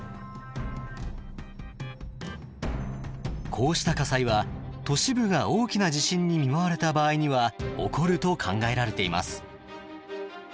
こうした火災は都市部が大きな地震に見舞われた場合には起こると考えられています。